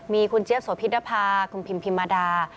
มีคุณเจี๊ยบโสพิษนภาคุณพิมพิมมาดา